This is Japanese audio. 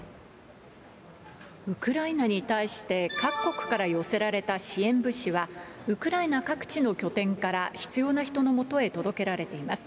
ウクライナに対して、各国から寄せられた支援物資は、ウクライナ各地の拠点から必要な人のもとへ届けられています。